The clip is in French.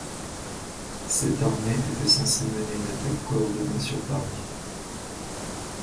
Cette armée était censée mener une attaque coordonnée sur Paris.